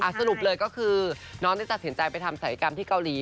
สรุปเลยก็คือน้องได้ตัดสินใจไปทำศัยกรรมที่เกาหลี